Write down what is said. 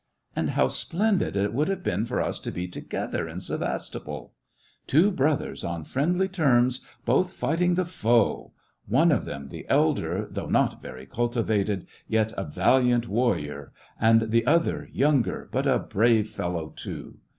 And how splen did it would have been for us to be together in Sevastopol. Two brothers, on friendly terms, both fighting the foe ! one of them, the elder, though not very cultivated, yet a valiant warrior, and the other younger, but a brave fellow too.